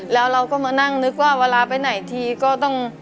แล้วเราก็มานั่งนึกว่าเวลาไปไหนทีก็ต้อง